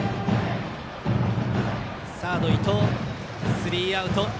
スリーアウト。